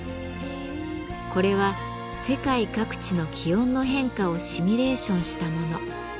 これは世界各地の気温の変化をシミュレーションしたもの。